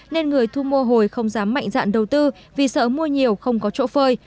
nên người thu mua hồi không dám mạnh dạn đầu tư vì sợ mua nhiều không có chỗ phơi